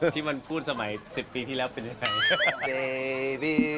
ที่มันพูดสมัย๑๐ปีที่แล้วเป็นยังไง